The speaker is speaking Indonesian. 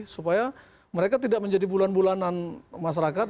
supaya mereka tidak menjadi bulan bulanan masyarakat